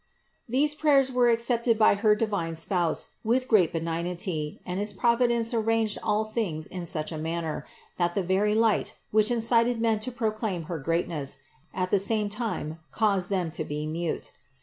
2. These prayers were accepted by her divine Spouse with great benignity and his providence arranged all things in such a manner, that the very light, which incited men to proclaim her greatness, at the same time caused them to be mute.